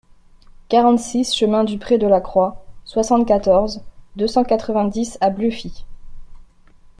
quarante-six chemin du Pre de la Croix, soixante-quatorze, deux cent quatre-vingt-dix à Bluffy